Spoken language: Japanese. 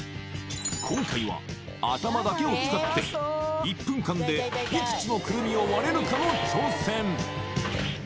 今回は頭だけを使って１分間でいくつのクルミを割れるかの挑戦